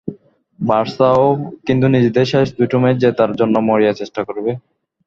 বার্সাও কিন্তু নিজেদের শেষ দুটো ম্যাচ জেতার জন্য মরিয়া চেষ্টা করবে।